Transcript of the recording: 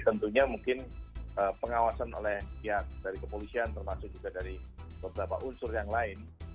tentunya mungkin pengawasan oleh pihak dari kepolisian termasuk juga dari beberapa unsur yang lain